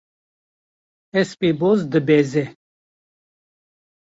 Hespê boz dibeze.